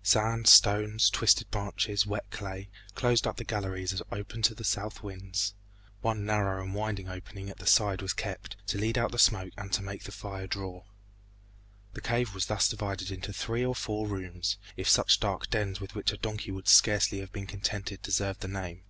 Sand, stones, twisted branches, wet clay, closed up the galleries open to the south winds. One narrow and winding opening at the side was kept, to lead out the smoke and to make the fire draw. The cave was thus divided into three or four rooms, if such dark dens with which a donkey would scarcely have been contented deserved the name.